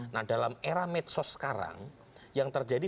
nah dalam era medsos sekarang yang terjadi